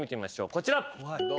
こちら。